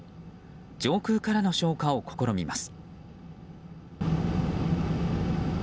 上空からの消火を試みます。